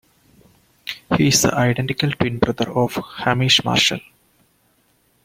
He is the identical twin brother of Hamish Marshall.